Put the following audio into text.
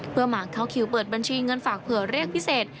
เพื่อมาเข้าคิวเปิดบัญชีเงินฝากเผื่อเรียกพิเศษ